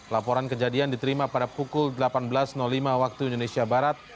laporan kejadian diterima pada pukul delapan belas lima waktu indonesia barat